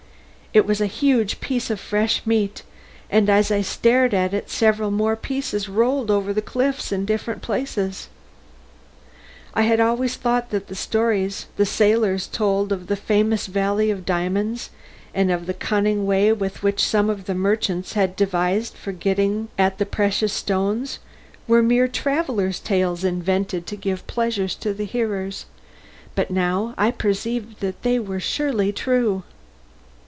It was a huge piece of fresh meat, and as I stared at it several more pieces rolled over the cliffs in different places. I had always thought that the stories the sailors told of the famous valley of diamonds, and of the cunning way which some merchants had devised for getting at the precious stones, were mere travellers' tales invented to give pleasure to the hearers, but now I perceived that they were surely true.